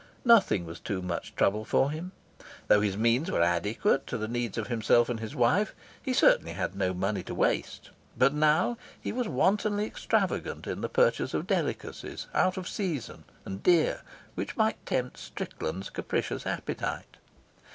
Nothing was too much trouble for him. Though his means were adequate to the needs of himself and his wife, he certainly had no money to waste; but now he was wantonly extravagant in the purchase of delicacies, out of season and dear, which might tempt Strickland's capricious appetite.